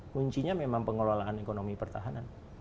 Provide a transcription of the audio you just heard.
kuncinya memang pengelolaan ekonomi pertahanan